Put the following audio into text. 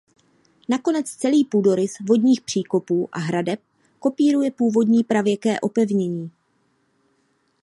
Nakonec celý půdorys vodních příkopů a hradeb kopíruje původní pravěké opevnění.